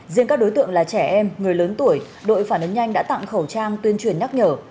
riêng các đối tượng là trẻ em người lớn tuổi đội phản ứng nhanh đã tặng khẩu trang tuyên truyền nhắc nhở